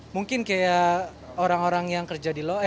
mungkin kayak orang orang yang kerja di loe